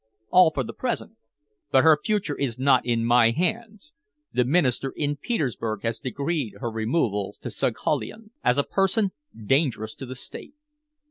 "All for the present." "But her future is not in my hands. The Minister in Petersburg has decreed her removal to Saghalien as a person dangerous to the State."